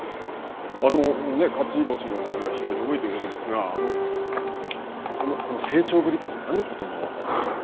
勝ち星の数が非常に多いということですが、この成長ぶりというんですかね、琴ノ若関の。